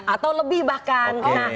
atau lebih bahkan